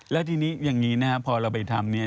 แล้วทีนี้อย่างนี้นะครับพอเราไปทำเนี่ย